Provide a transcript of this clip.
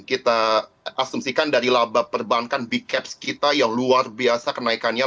kita asumsikan dari laba perbankan bcaps kita yang luar biasa kenaikannya